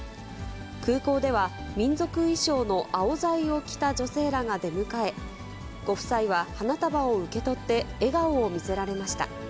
空港では、民族衣装のアオザイを着た女性らが出迎え、ご夫妻は花束を受け取って、笑顔を見せられました。